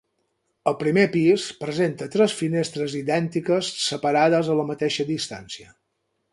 El primer pis presenta tres finestres idèntiques separades a la mateixa distància.